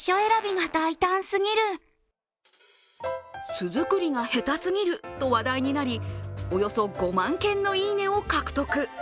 巣作りが下手すぎると話題になり、およそ５万件のいいねを獲得。